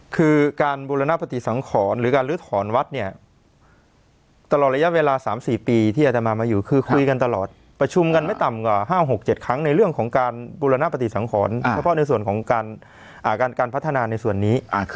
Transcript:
คือการบูรณปฏิสังขรหรือการลื้อถอนวัดเนี่ยตลอดระยะเวลา๓๔ปีที่อาตมามาอยู่คือคุยกันตลอดประชุมกันไม่ต่ำกว่า๕๖๗ครั้งในเรื่องของการบูรณปฏิสังขรเฉพาะในส่วนของการพัฒนาในส่วนนี้